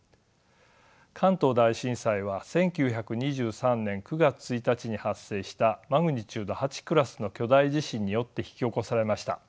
関東大震災は１９２３年９月１日に発生したマグニチュード８クラスの巨大地震によって引き起こされました。